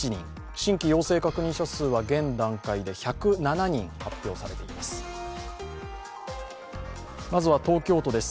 新規陽性確認者数は現段階で１０７人発表されています。